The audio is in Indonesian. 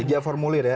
tiga formulir ya